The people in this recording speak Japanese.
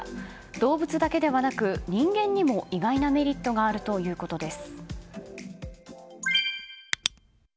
動物だけではなく人間にも意外なメリットがあるということです。